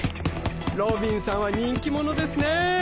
ロビンさんは人気者ですね。